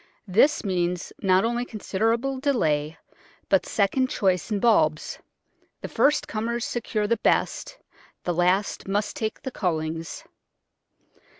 This means not only considerable delay, but second choice in bulbs; the first comers secure the best, the last must take the cullings.